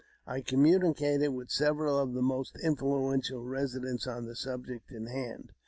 I communicated vdth several of the most influential residents on the subject in hand.